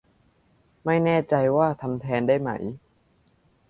ไม่แน่ใจว่าทำแทนได้ไหม